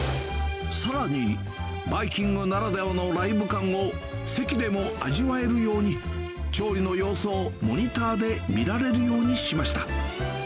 さらに、バイキングならではのライブ感を席でも味わえるように、調理の様子をモニターで見られるようにしました。